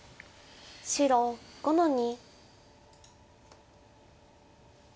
白５の二。